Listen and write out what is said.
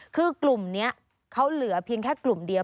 คือกลุ่มนี้เขาเหลือเพียงแค่กลุ่มเดียว